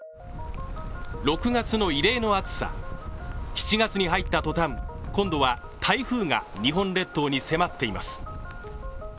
６月の異例の暑さ、７月に入ったとたん今度は、台風が日本列島に迫っています。